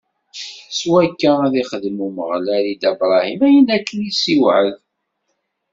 S wakka, ad ixdem Umeɣlal i Dda Bṛahim, ayen akken i s-iwɛed.